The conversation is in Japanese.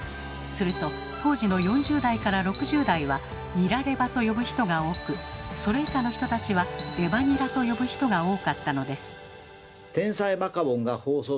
すると当時の４０代から６０代は「ニラレバ」と呼ぶ人が多くそれ以下の人たちは「レバニラ」と呼ぶ人が多かったのです。